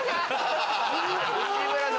内村さん。